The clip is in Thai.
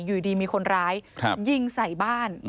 อยู่ดีมีคนร้ายยิงใส่บ้าน